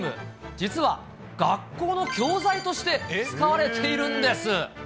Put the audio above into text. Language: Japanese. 実は、学校の教材として使われているんです。